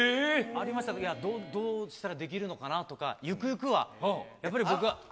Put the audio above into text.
ありましたけど、どうしたらできるのかなとか、ゆくゆくは、やっぱり僕は。